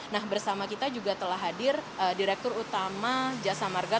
nah bersama kita juga telah hadir direktur utama jasa marga